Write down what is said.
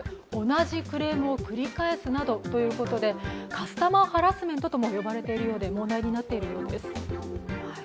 カスタマーハラスメントとも呼ばれているようで、問題になっているようです。